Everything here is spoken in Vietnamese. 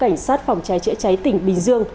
cảnh sát phòng cháy chữa cháy tỉnh bình dương